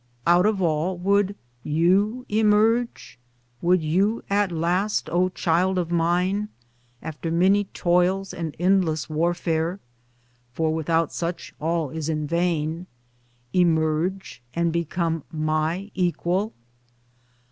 Out of all would YOU emerge? Would you at last, O child of mine, after many toils and endless warfare (for without such all is in vain) emerge and become MY EQUAL?